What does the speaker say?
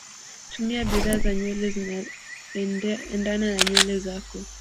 tumia bidhaa za nywele zinaendana na nywele zako